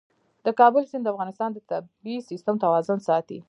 د کابل سیند د افغانستان د طبعي سیسټم توازن ساتي.